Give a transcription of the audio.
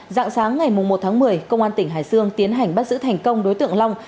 dạng sáng ngày một tháng một mươi công an tỉnh hải dương tiến hành bắt giữ thành công đối tượng long